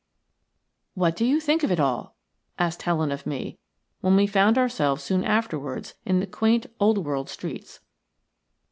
"What do you think of it all?" asked Helen of me, when we found ourselves soon afterwards in the quaint, old world streets.